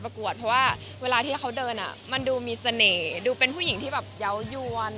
เพราะว่าเวลาที่เขาเดินอ่ะมันดูมีเสน่ห์ดูเป็นผู้หญิงที่แบบเยาว์ยวน